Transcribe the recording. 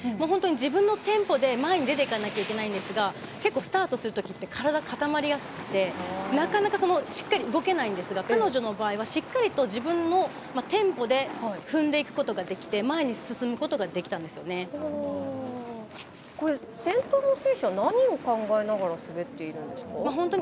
本当に自分のテンポで前に出ていかなきゃいけないんですが結構スタートするときって体かたまりやすくてなかなか、しっかり動けないんですが彼女の場合はしっかりと自分のテンポで踏んでいくことができて前に進むこれ先頭の選手は何を考えながら滑っているんでしょうか？